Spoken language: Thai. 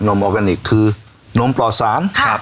นมออร์แกนิคคือนมปลอสาร